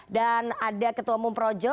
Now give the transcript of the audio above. dan ada ketua umum projo